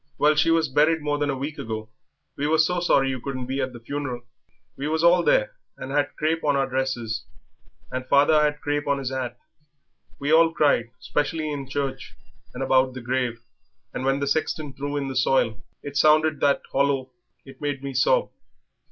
"Well, she was buried more than a week ago. We were so sorry you couldn't be at the funeral. We was all there, and had crape on our dresses and father had crape on his 'at. We all cried, especially in church and about the grave, and when the sexton threw in the soil it sounded that hollow it made me sob.